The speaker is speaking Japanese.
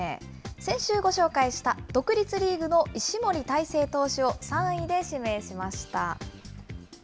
先週ご紹介した独立リーグの石森大誠投手を３位で指名しました。